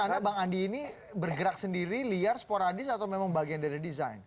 anda bang andi ini bergerak sendiri liar sporadis atau memang bagian dari desain